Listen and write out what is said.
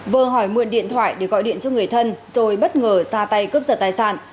vờ hỏi mượn điện thoại để gọi điện cho người thân rồi bất ngờ ra tay cướp giật tài sản